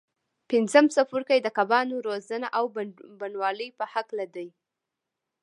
پنځم څپرکی د کبانو روزنه او بڼوالۍ په هکله دی.